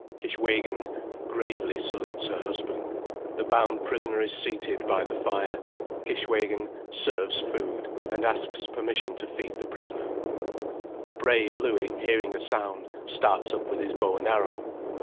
Kishwégin gravely salutes her husband—the bound prisoner is seated by the fire—Kishwégin serves food, and asks permission to feed the prisoner. The brave Louis, hearing a sound, starts up with his bow and arrow.